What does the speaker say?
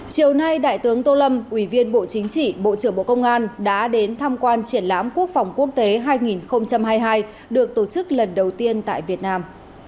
chiều nay đại tướng tô lâm ủy viên bộ chính trị bộ trưởng bộ công an đã đến tham quan triển lãm quốc phòng quốc tế hai nghìn hai mươi hai được tổ chức lần đầu tiên tại việt nam